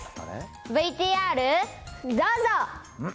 ＶＴＲどうぞ。